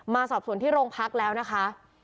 สอบส่วนที่โรงพักแล้วนะคะ